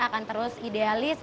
akan terus idealis